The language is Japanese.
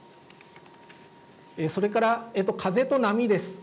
それから風と波です。